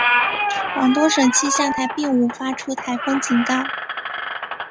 广东省气象台并无发出台风警告。